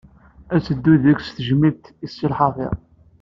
Ad d-teddu deg-s tejmilt i Si Lḥafiḍ.